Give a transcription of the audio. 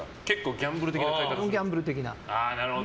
ギャンブル的な。